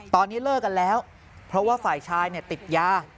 ตอนนี้เลิกกันแล้วเพราะว่าฝ่ายชายติดยา